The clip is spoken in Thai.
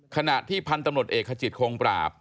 ขณะที่พันธุ์ตำรวจเอกขจิตคงปราบ